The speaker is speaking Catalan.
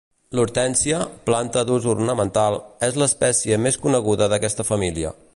L'hortènsia, planta d'ús ornamental, és l'espècie més coneguda d'aquesta família.